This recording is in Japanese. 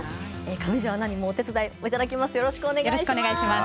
上條アナにもお手伝いいただきます。